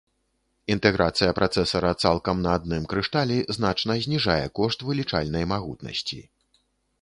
Інтэграцыя працэсара цалкам на адным крышталі значна зніжае кошт вылічальнай магутнасці.